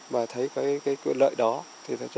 và thấy cái quyền lợi đó thì rất là có ý nghĩa